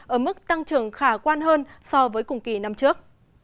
ở mức tăng trưởng khả quan hơn so với cùng kỳ năm trước